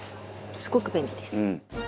すごく便利です。